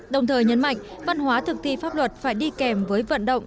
đồng thời nhấn mạnh văn hóa thực thi pháp luật phải đi kèm với vận động